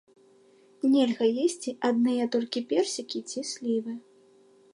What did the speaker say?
Нельга есці адныя толькі персікі ці слівы.